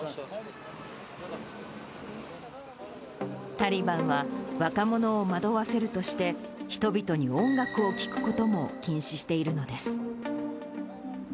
タリバンは、若者を惑わせるとして、人々に音楽を聴くことも禁止しているのです。